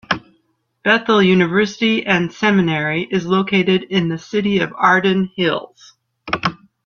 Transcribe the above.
Bethel University and Seminary is located in the city of Arden Hills.